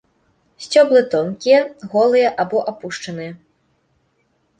Сцёблы тонкія, голыя або апушаныя.